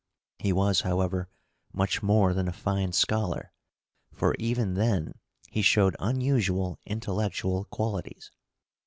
He was, however, much more than a fine scholar, for even then he showed unusual intellectual qualities.